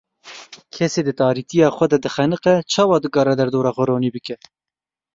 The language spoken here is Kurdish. Kesê di tarîtiya xwe de dixeniqe, çawa dikare derdora xwe ronî bike?